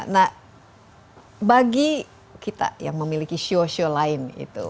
nah bagi kita yang memiliki show show lain itu